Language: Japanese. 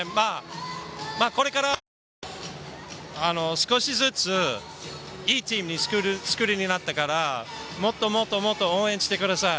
これから少しずつ、いいチームになったから、もっともっと応援してください。